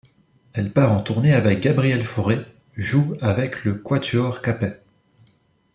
Elle part en tournée avec Gabriel Fauré, joue avec le Quatuor Capet.